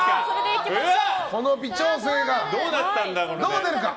この微調整がどう出るか！